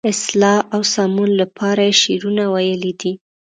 اصلاح او سمون لپاره یې شعرونه ویلي دي.